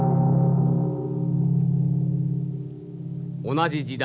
同じ時代